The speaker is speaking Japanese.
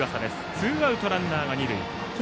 ツーアウトランナーが二塁。